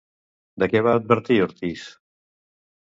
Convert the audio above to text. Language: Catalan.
De què va advertir Ortiz?